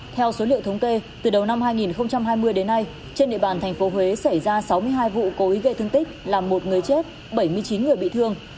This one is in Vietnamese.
theo số liệu thống kê từ đầu năm hai nghìn hai mươi đến nay trên địa bàn tp huế xảy ra sáu mươi hai vụ cố ý gây thương tích làm một người chết bảy mươi chín người bị thương